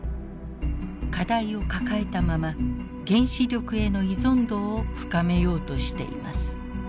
課題を抱えたまま原子力への依存度を深めようとしています。